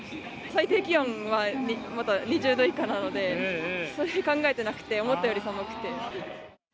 最低気温、また２０度以下なので、それを考えてなくて、思ったより寒くて。